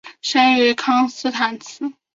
生于康斯坦茨。